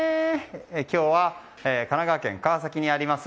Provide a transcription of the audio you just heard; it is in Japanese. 今日は神奈川県川崎市にあります